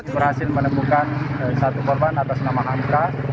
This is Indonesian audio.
berhasil menemukan satu korban atas nama hamka